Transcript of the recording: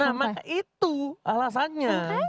nah maka itu alasannya